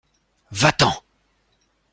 Va-t-en !